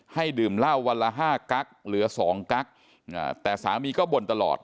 ดื่มเหล้าวันละห้ากั๊กเหลือสองกั๊กแต่สามีก็บ่นตลอด